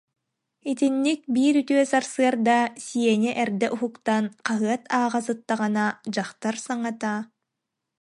Итинник биир үтүө сарсыарда Сеня эрдэ уһуктан хаһыат ааҕа сыттаҕына, дьахтар саҥата: